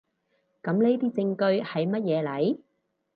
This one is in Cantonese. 噉呢啲證據喺乜嘢嚟？